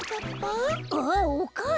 あっおかあさん。